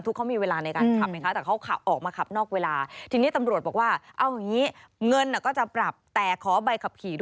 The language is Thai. เขาขับรถต่อไม่ได้